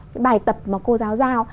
cái bài tập mà cô giáo giao